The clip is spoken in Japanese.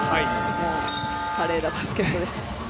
もう華麗なバスケです。